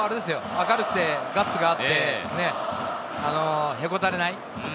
明るくてガッツがあって、へこたれない。